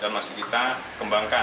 dan masih kita kembangkan